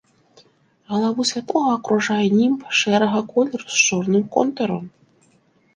Галаву святога акружае німб шэрага колеру з чорным контурам.